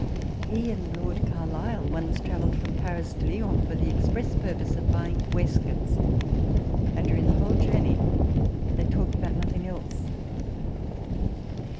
He and Lord Carlisle once travelled from Paris to Lyons for the express purpose of buying waistcoats ; and during the whole journey they talked about nothing else.